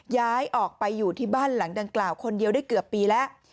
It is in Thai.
ย้ายออกไปอยู่ที่บ้านหลังดังกล่าวคนเดียวได้เกือบปีแล้ว